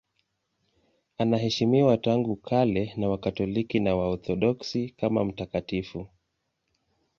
Anaheshimiwa tangu kale na Wakatoliki na Waorthodoksi kama mtakatifu.